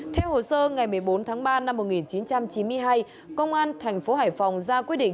theo hồ sơ ngày một mươi bốn tháng ba năm một nghìn chín trăm chín mươi hai công an thành phố hải phòng ra quy định